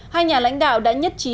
hai nhà lãnh đạo đã nhất trí